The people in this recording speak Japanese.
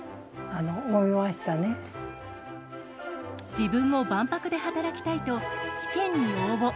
自分も万博で働きたいと試験に応募。